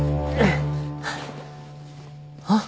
あっ。